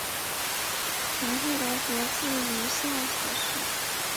乘客的国籍如下所示。